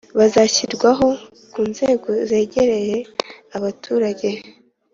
buzashyirwaho ku nzego zegereye abaturage.